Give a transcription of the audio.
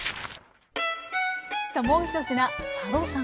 さあもう１品佐渡さん